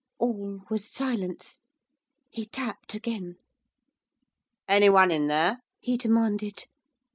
All was silence. He tapped again. 'Anyone in there?' he demanded.